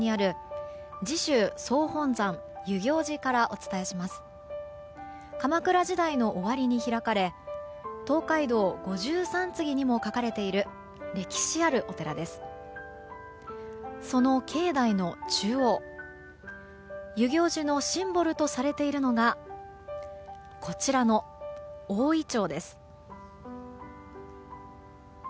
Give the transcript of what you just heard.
その境内の中央、遊行寺のシンボルとされているのがこちらの大イチョウです。